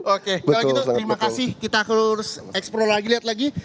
oke kalau gitu terima kasih kita harus eksplo lagi lihat lagi